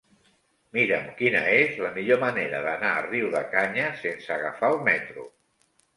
Mira'm quina és la millor manera d'anar a Riudecanyes sense agafar el metro.